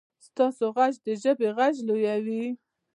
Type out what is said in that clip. ستاسو غږ د ژبې غږ لویوي.